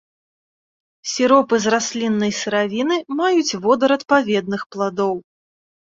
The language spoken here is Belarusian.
Сіропы з расліннага сыравіны маюць водар адпаведных пладоў.